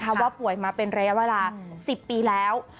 เพราะว่าป่วยมาเป็นระยะเวลา๑๐ปีแล้ว